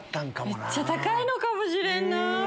めっちゃ高いのかもしれんなぁ。